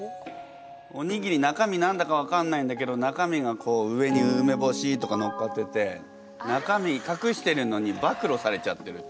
おにぎり中身何だか分かんないんだけど中身がこう上に梅干しとかのっかってて中身かくしてるのに暴露されちゃってる。